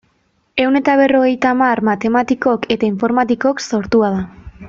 Ehun eta berrogeita hamar matematikok eta informatikok sortua da.